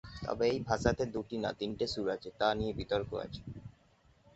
তবে এই ভাষাতে দুটি না তিনটি সুর আছে তা নিয়ে বিতর্ক আছে।